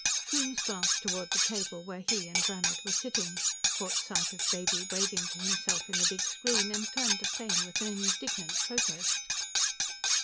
Coombes glanced toward the table where he and Brannhard were sitting, caught sight of Baby waving to himself in the big screen and turned to Fane with an indignant protest.